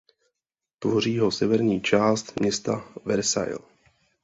Tvoří ho severní část města Versailles.